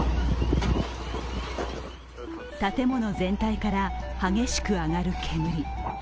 建物全体から激しく上がる煙。